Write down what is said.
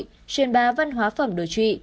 truyền bá văn hóa phẩm đối trị